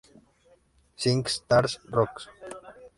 SingStar Rocks!